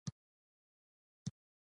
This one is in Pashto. حتی مخکې تر دې چې بربریان واک ترلاسه کړي